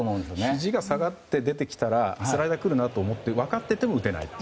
ひじが下がって出てきたらスライダーだと分かっていても打てないと。